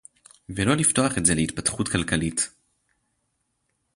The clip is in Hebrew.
ולא לפתוח את זה להתפתחות כלכלית